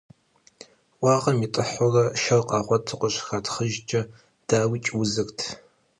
Уӏэгъэм итӏыхьурэ шэр къагъуэту къыщыхатхъыжкӏэ, дауикӏ, узырт.